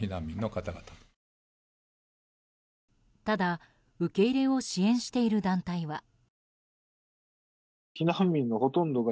ただ、受け入れを支援している団体は。